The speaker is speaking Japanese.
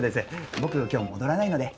僕今日戻らないので。